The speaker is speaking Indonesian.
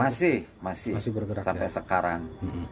masih sampai sekarang